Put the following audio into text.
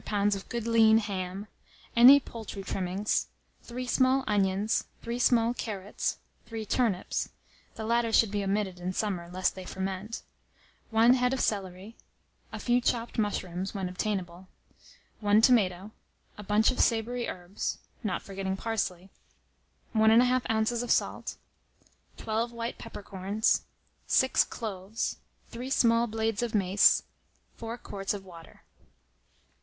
of good lean ham; any poultry trimmings; 3 small onions, 3 small carrots, 3 turnips (the latter should be omitted in summer, lest they ferment), 1 head of celery, a few chopped mushrooms, when obtainable; 1 tomato, a bunch of savoury herbs, not forgetting parsley; 1 1/2 oz. of salt, 12 white peppercorns, 6 cloves, 3 small blades of mace, 4 quarts of water.